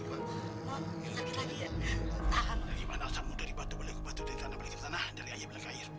bagaimana asammu dari batu baliku batu dari tanah balikin tanah dari air balik air